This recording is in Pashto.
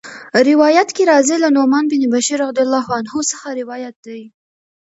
روايت کي راځي: له نعمان بن بشير رضي الله عنه څخه روايت دی